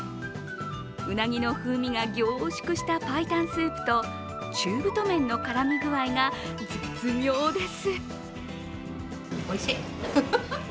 うなぎの風味が凝縮したパイタンスープと中太麺の絡み具合が絶妙です。